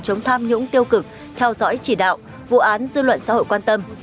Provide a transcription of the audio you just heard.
chống tham nhũng tiêu cực theo dõi chỉ đạo vụ án dư luận xã hội quan tâm